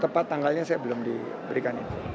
tepat tanggalnya saya belum diberikan itu